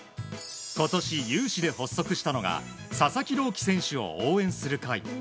今年有志で発足したのが佐々木朗希選手を応援する会。